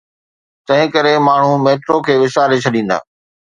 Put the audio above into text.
تنهنڪري ماڻهو ميٽرو کي وساري ڇڏيندا.